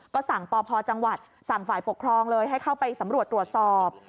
ก็สั่งปพจังหวัดสั่งฝ่ายปกครองเลยให้เข้าไปสำรวจตรวจสอบ